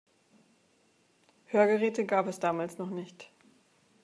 Hörgeräte gab es damals noch nicht.